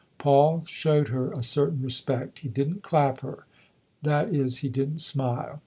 Paul showed her a certain respect ; he didn't clap her that is he didn't smile.